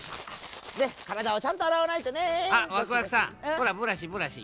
ほらブラシブラシ。